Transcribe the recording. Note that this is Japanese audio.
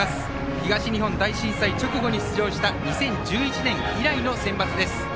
東日本大震災直後に出場した２０１１年以来のセンバツです。